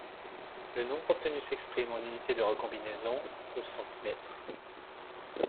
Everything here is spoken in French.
Le nombre obtenu s'exprime en unité de recombinaison ou cM.